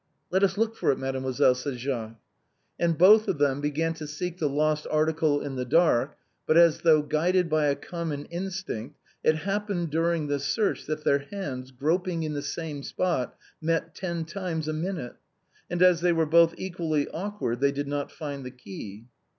" Let us look for it, mademoiselle," said Jacques. And both of them began to seek the lost article in the francine's muff. 229 dark, but as though guided by a common instinct, it hap pened during this search that their hands, groping in the same spot, met ten times a minute. And, as they were both equally awkward, they did not find the key.